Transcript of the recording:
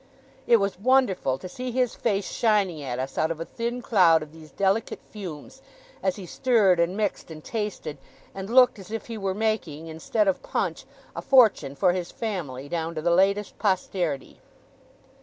It was wonderful to see his face shining at us out of a thin cloud of these delicate fumes, as he stirred, and mixed, and tasted, and looked as if he were making, instead of punch, a fortune for his family down to the latest posterity.